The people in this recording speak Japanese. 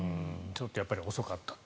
ちょっと遅かった。